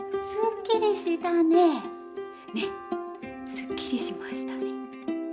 すっきりしましたね！